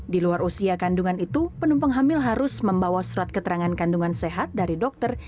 di luar usia kandungan itu penumpang hamil harus membawa surat keterangan kandungan sehat dari dokter